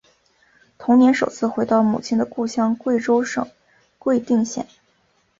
同年首次回到母亲的故乡贵州省贵定县。